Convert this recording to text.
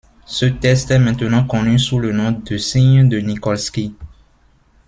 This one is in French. Ce test est maintenant connu sous le nom de signe de Nikolsky.